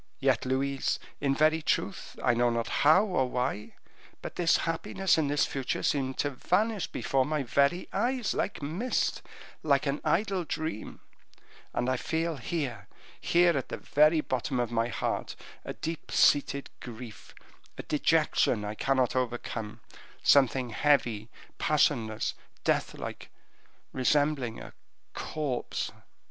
Yet, Louise, in very truth I know not how or why, but this happiness and this future seem to vanish before my very eyes like mist like an idle dream; and I feel here, here at the very bottom of my heart, a deep seated grief, a dejection I cannot overcome something heavy, passionless, death like, resembling a corpse.